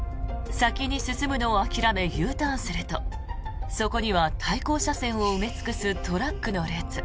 先に進むのを諦めＵターンするとそこには対向車線を埋め尽くすトラックの列。